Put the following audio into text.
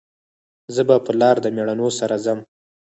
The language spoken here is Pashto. زه به په لار د میړانو سره ځم